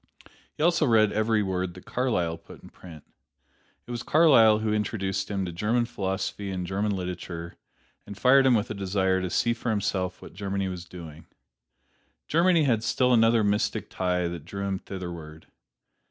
He also read every word that Carlyle put in print. It was Carlyle who introduced him to German philosophy and German literature, and fired him with a desire to see for himself what Germany was doing. Germany had still another mystic tie that drew him thitherward.